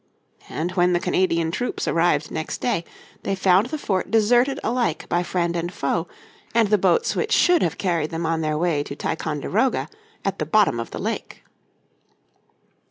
And when the Canadian troops arrived next day they found the fort deserted alike by friend and foe, and the boats which should have carried them on their way to Ticonderoga at the bottom of the lake.